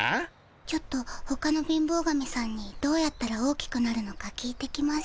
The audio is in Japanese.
ちょっとほかの貧乏神さんにどうやったら大きくなるのか聞いてきます。